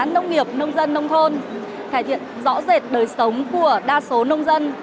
nông nghiệp nông dân nông thôn thể hiện rõ rệt đời sống của đa số nông dân